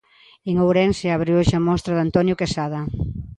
En Ourense abre hoxe a mostra Antonio Quesada.